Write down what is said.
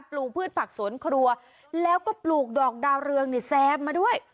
ลูกพืชผักสวนครัวแล้วก็ปลูกดอกดาวเรืองเนี่ยแซมมาด้วย